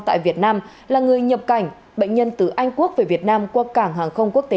tại việt nam là người nhập cảnh bệnh nhân từ anh quốc về việt nam qua cảng hàng không quốc tế